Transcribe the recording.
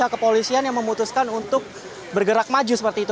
mungkin polisian yang memutuskan untuk bergerak maju seperti itu